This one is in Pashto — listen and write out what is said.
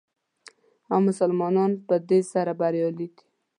او مسلمانان په دې سره بریالي دي.